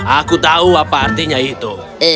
aku tahu apa artinya itu